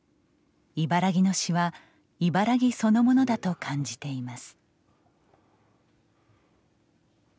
茨木の詩は茨木そのものだと感じています。